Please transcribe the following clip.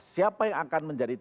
siapa yang akan menjadi